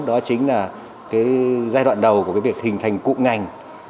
đó chính là giai đoạn đầu của việc hình thành cụm ngành